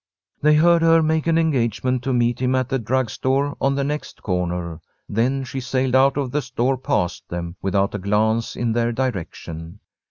They heard her make an engagement to meet him at the drug store on the next corner. Then she sailed out of the store past them, without a glance in their direction.